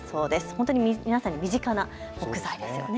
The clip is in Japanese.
本当に皆さんに身近な木材ですね。